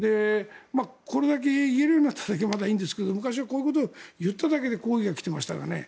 これだけ言えるようになったのでまだいいですけど昔はこういうことを言っただけで抗議が来てましたからね。